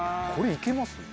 これいけます？